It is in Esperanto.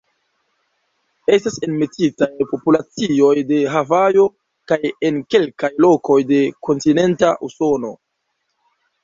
Estas enmetitaj populacioj de Havajo kaj en kelkaj lokoj de kontinenta Usono.